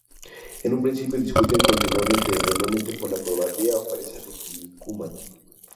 En un principio discuten continuamente, normalmente por la cobardía o pereza de Kinnikuman.